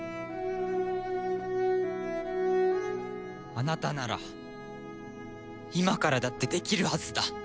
あなたなら今からだってできるはずだ。